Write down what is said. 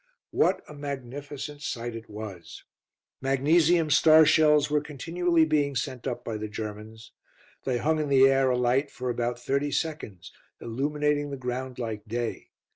What a magnificent sight it was. Magnesium star shells were continually being sent up by the Germans. They hung in the air alight for about thirty seconds, illuminating the ground like day.